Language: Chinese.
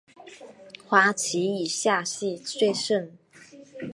花期以夏季最盛。